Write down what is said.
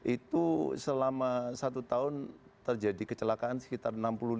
itu selama satu tahun terjadi kecelakaan sekitar enam puluh dua